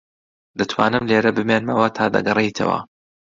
دەتوانم لێرە بمێنمەوە تا دەگەڕێیتەوە.